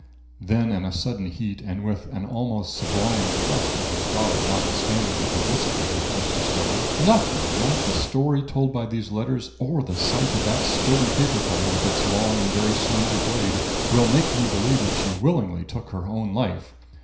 Then in a sudden heat and with an almost sublime trust in his daughter notwithstanding the duplicity he had just discovered: "Nothing not the story told by these letters, or the sight of that sturdy paper cutter with its long and very slender blade, will make me believe that she willingly took her own life.